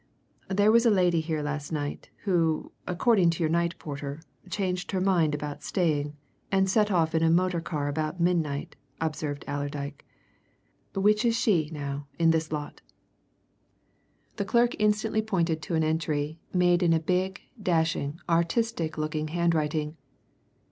"There was a lady here last night, who, according to your night porter, changed her mind about staying, and set off in a motor car about midnight," observed Allerdyke. "Which is she, now, in this lot?" The clerk instantly pointed to an entry, made in a big, dashing, artistic looking handwriting.